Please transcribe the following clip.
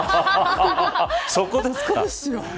そこですか。